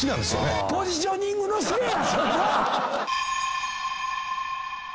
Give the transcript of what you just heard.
ポジショニングのせいや！